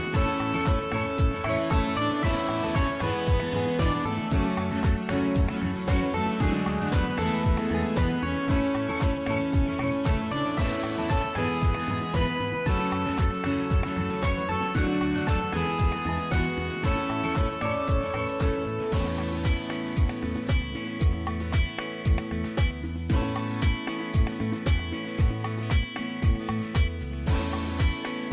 โปรดติดตามตอนต่อไป